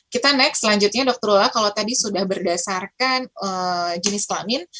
kita next selanjutnya dokter rula kalau tadi sudah berdasarkan jenis kelamin